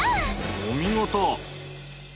お見事！